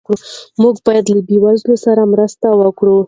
موږ باید له بې وزلو سره مرسته وکړو.